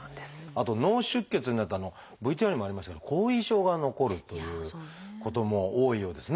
あと脳出血になるとＶＴＲにもありましたけど後遺症が残るということも多いようですね。